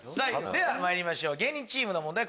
ではまいりましょう芸人チームの問題